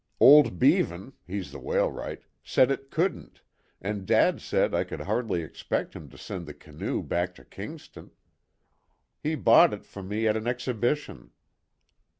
"Old Beavan he's the wheelwright said it couldn't, and dad said I could hardly expect him to send the canoe back to Kingston. He bought it for me at an exhibition."